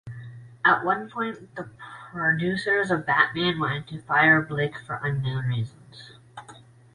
At one point, the producers of "Batman" wanted to fire Blake for unknown reasons.